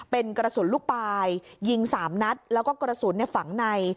เป็นกระสุนลูกปลายยิง๓นัดแล้วก็กระสุนฝังใน